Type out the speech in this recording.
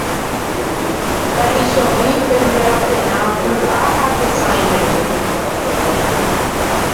Taichovi pende raperã vy'a ha tesãime.